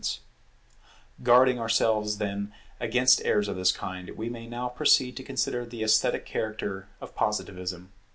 [Theory of Art] Guarding ourselves, then, against errors of this kind, we may now proceed to consider the esthetic character of Positivism.